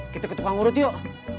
kita ke tukang urut yuk